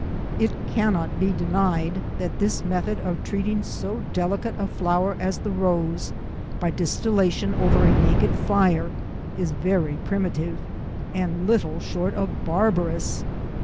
It cannot be denied that this method of treating so delicate a flower as the rose, by distillation over a naked fire, is very primitive and little short of barbarous.